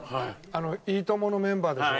『いいとも！』のメンバーでしょ？